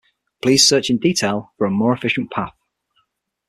Please search in detail for a more efficient path.